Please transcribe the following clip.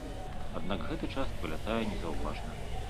Аднак гэты час пралятае незаўважна.